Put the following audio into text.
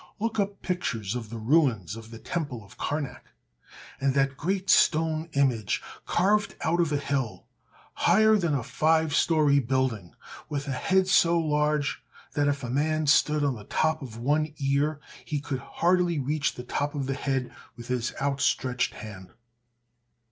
Look up pictures of the ruins of the Temple of Karnak; and that great stone image, carved out of a hill, higher than a five story building, with a head so large that if a man stood on the top of one ear he could hardly reach the top of the head with his outstretched hand.